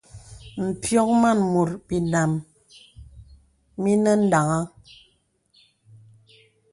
M̀pyōŋ màn mùt binām mìnə̀ daŋ̄aŋ.